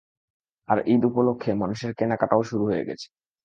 আর ঈদ উপলক্ষে মানুষের কেনাকাটাও শুরু হয়ে গেছে।